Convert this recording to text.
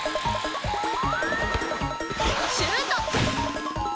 シュート！